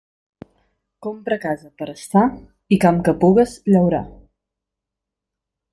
Compra casa per a estar i camp que pugues llaurar.